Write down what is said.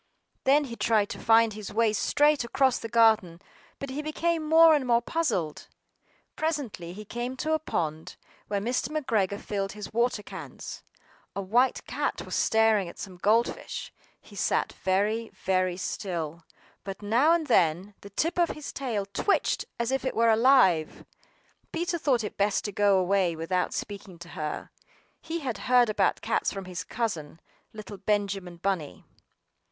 THEN he tried to find his way straight across the garden, but he became more and more puzzled. Presently, he came to a pond where Mr. McGregor filled his water cans. A white cat was staring at some gold fish; she sat very, very still, but now and then the tip of her tail twitched as if it were alive. Peter thought it best to go away without speaking to her; he had heard about cats from his cousin, little Benjamin Bunny.